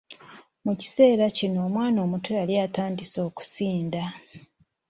Mu kiseera kino omwana omuto yali atandise okusinda.